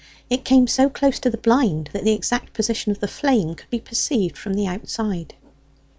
It came so close to the blind that the exact position of the flame could be perceived from the outside.